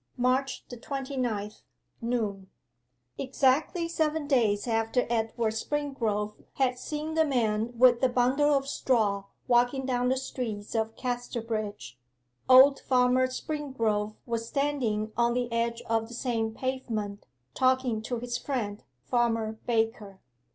MARCH THE TWENTY NINTH. NOON Exactly seven days after Edward Springrove had seen the man with the bundle of straw walking down the streets of Casterbridge, old Farmer Springrove was standing on the edge of the same pavement, talking to his friend, Farmer Baker.